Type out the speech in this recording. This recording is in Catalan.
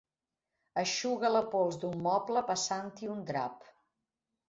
Eixugar la pols d'un moble passant-hi un drap.